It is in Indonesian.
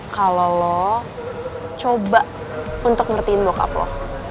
kalau lo coba untuk ngertiin bokap lo